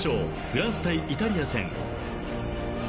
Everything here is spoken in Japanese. フランス対イタリア戦］